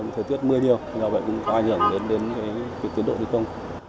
thời tiết mưa nhiều do vậy cũng có ảnh hưởng đến cái tiến độ đi công